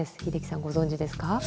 英樹さんご存じですか？